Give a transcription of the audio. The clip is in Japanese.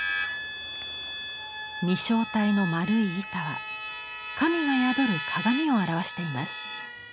御正体の円い板は神が宿る鏡を表しています。